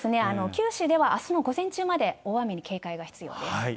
九州ではあすの午前中まで、大雨に警戒が必要です